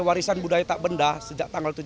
warisan budaya tak benda sejak tanggal